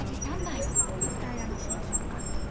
平らにしましょうか。